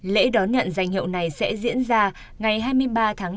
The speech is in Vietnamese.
lễ đón nhận danh hiệu này sẽ diễn ra ngày hai mươi ba tháng bốn